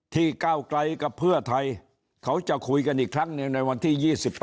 ก้าวไกลกับเพื่อไทยเขาจะคุยกันอีกครั้งหนึ่งในวันที่๒๘